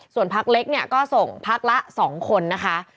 ส่วนพักเล็กเนี่ยก็ส่งพักละ๒คนนะคะ